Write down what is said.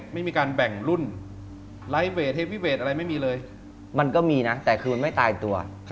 ไม่มีการแบ่งรุ่นอะไรไม่มีเลยมันก็มีนะแต่คือมันไม่ตายตัว